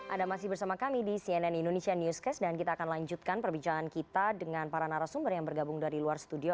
anda masih bersama kami di cnn indonesia newscast dan kita akan lanjutkan perbincangan kita dengan para narasumber yang bergabung dari luar studio